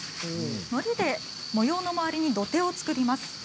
のりで模様の周りに土手を作ります。